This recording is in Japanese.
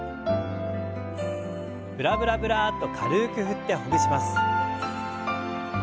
ブラブラブラッと軽く振ってほぐします。